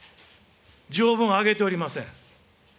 条文、あげておりません。